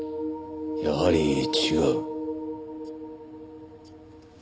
やはり違う。